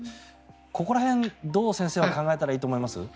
ここら辺、先生はどう考えたらいいと思います？